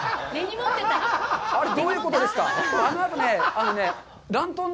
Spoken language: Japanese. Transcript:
優馬君、どういうことですか？